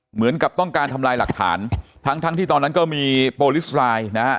เหมือนกับต้องการทำลายหลักฐานทั้งทั้งที่ตอนนั้นก็มีโปรลิสไลน์นะฮะ